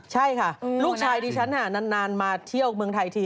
ใช่ค่ะลูกชายดิฉันนานมาเที่ยวเมืองไทยที